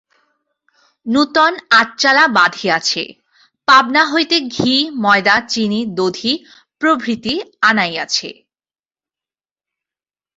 নূতন আটচালা বাঁধিয়াছে, পাবনা হইতে ঘি ময়দা চিনি দধি প্রভৃতি আনাইয়াছে।